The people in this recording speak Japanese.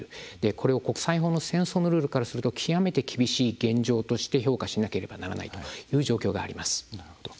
これを国際法の戦争のルールからすると極めて厳しい現状として評価しなければならないという現状があります。